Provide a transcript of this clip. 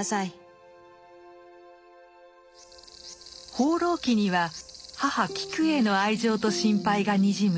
「放浪記」には母・キクへの愛情と心配がにじむ